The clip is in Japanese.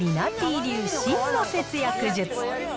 流、真の節約術。